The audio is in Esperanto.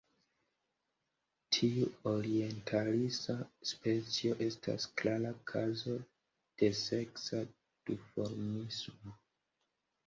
Tiu orientalisa specio estas klara kazo de seksa duformismo.